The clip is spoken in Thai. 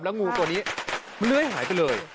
แล้วงูตัวนี้มันเลยหายไปเลย